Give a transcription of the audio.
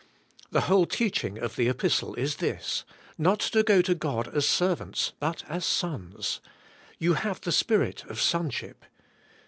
The whole teaching of the epistle is this, not to g o to God as servants but as sons. You have the Spirit of sonship.